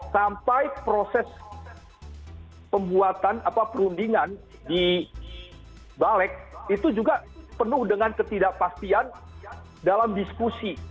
sampai proses pembuatan perundingan di balik itu juga penuh dengan ketidakpastian dalam diskusi